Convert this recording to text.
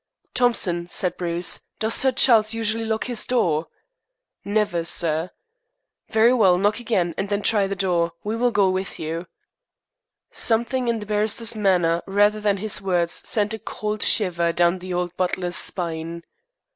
"Thompson," said Bruce, "does Sir Charles usually lock his door?" "Never, sir." "Very well. Knock again, and then try the door. We will go with you." Something in the barrister's manner rather than his words sent a cold shiver down the old butler's spine.